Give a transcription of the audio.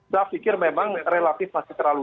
saya pikir memang relatif masih terlalu